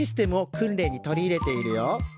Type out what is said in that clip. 訓練に取り入れているよ！